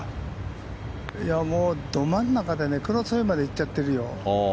もう、ど真ん中でクロスウェーまで行っちゃってるよ。